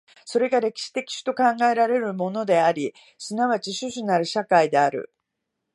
それが歴史的種と考えられるものであり、即ち種々なる社会である。